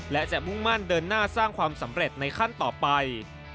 และจะมุ่งมั่นเดินหน้าสร้างความสำเร็จในขั้นต่อไป